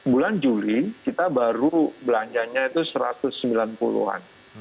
bulan juli kita baru belanjanya itu satu ratus sembilan puluh an